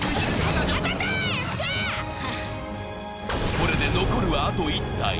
これで残るは、あと１体。